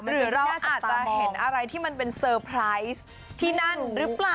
หรือเราอาจจะเห็นอะไรที่มันเป็นเซอร์ไพรส์ที่นั่นหรือเปล่า